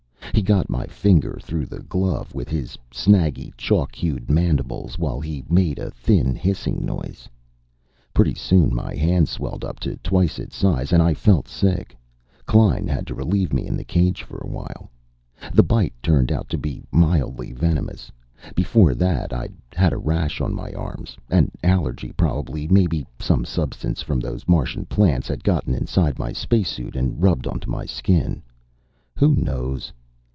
He got my finger, through the glove, with his snaggy, chalk hued mandibles, while he made a thin hissing noise. Pretty soon my hand swelled up to twice its size, and I felt sick. Klein had to relieve me in the cage for a while. The bite turned out to be mildly venomous. Before that, I'd had a rash on my arms. An allergy, probably; maybe some substance from those Martian plants had gotten inside my spacesuit and rubbed onto my skin. Who knows?